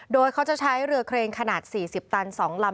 โดยเขาจะใช้เรือเครนขนาด๔๐ตัน๒ลำ